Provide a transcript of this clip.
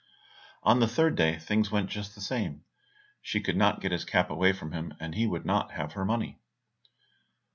On the third day things went just the same; she could not get his cap away from him, and he would not have her money.